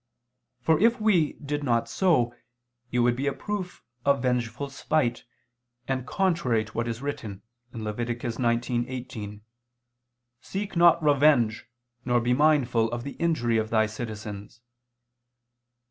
For if we did not so, it would be a proof of vengeful spite, and contrary to what is written (Lev. 19:18): "Seek not revenge, nor be mindful of the injury of thy citizens."